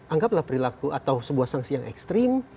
anggaplah perilaku atau sebuah sanksi yang ekstrim